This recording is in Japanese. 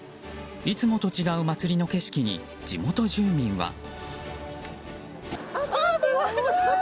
いつもと違う祭りの景色に地元住民は。